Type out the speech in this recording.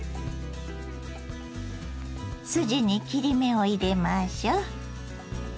筋に切り目を入れましょう。